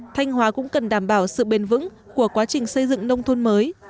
thanh hóa cũng cần đảm bảo sự bền vững của quá trình xây dựng nông thôn mới